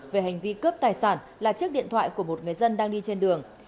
về hành vi cướp tài sản là chiếc điện thoại của một người dân đang đi trên đường